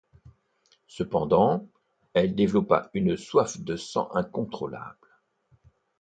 Cependant, elle développa une soif de sang incontrolable.